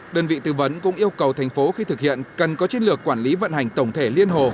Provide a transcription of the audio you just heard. đơn vị tư vấn cũng yêu cầu thành phố khi thực hiện cần có chiến lược quản lý vận hành tổng thể liên hồ